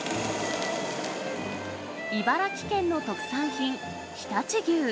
茨城県の特産品、常陸牛。